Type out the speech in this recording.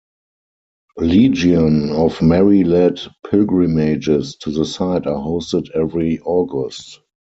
Legion of Mary-led pilgrimages to the site are hosted every August.